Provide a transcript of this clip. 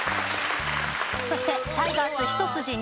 そしてタイガース一筋２２年。